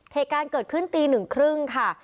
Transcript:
เหตุการณ์เกิดขึ้นตี๑๓๐ค่ะ